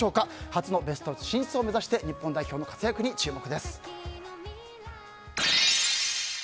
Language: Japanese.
初のベスト８進出を目指して日本代表の活躍に注目です。